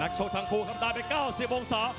แม็กซ์โชคทางคู่ครับได้เป็น๙๐องศา